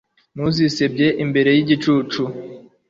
ntuzisebye imbere y'igicucu